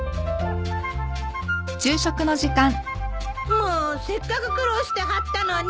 もうせっかく苦労して張ったのに。